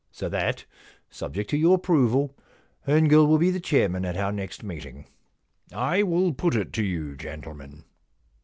So that, subject to your approval, Herngill will be the chairman at our next meeting. I will put it to you, gentlemen.